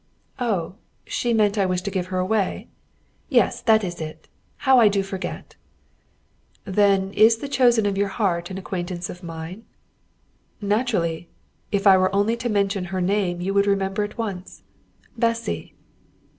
"Oh, she meant I was to give her away?" "Yes, that is it. How I do forget!" "Then is the chosen of your heart an acquaintance of mine?" "Naturally. If I were only to mention her first name you would remember at once. Bessy!"